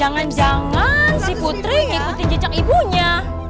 jangan jangan si putri ngikutin jejak ibunya